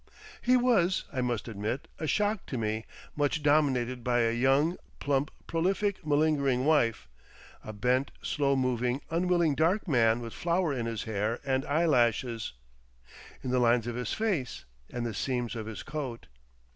He was, I must admit, a shock to me, much dominated by a young, plump, prolific, malingering wife; a bent, slow moving, unwilling dark man with flour in his hair and eyelashes, in the lines of his face and the seams of his coat.